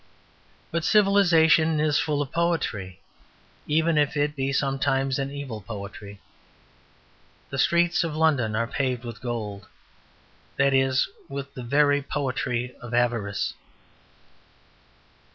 But civilization is full of poetry, even if it be sometimes an evil poetry. The streets of London are paved with gold; that is, with the very poetry of avarice."